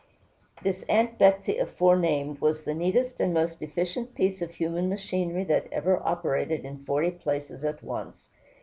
This Aunt Betsey aforenamed was the neatest and most efficient piece of human machinery that ever operated in forty places at once.